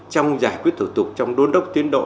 trong giải quyết thủ tục trong đôn đốc tiến độ